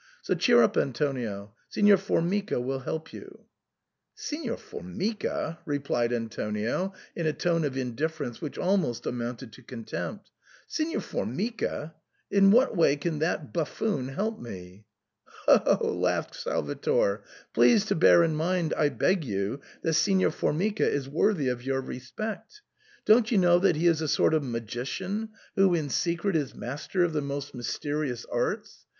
So cheer up, Antonio ; Signor Formica will help you." " Signor Formica ?" replied Antonio in a tone of in difference which almost amounted to contempt. " Sig nor Formica ! In what way can that buffoon help me ?"" Ho ! ho !" laughed Salvator. " Please to bear in mind, I beg you, that Signor Formica is worthy of your respect. Don't you know that he is a sort of magician who in secret is master of the most mysterious arts